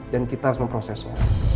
dan kita harus memprosesnya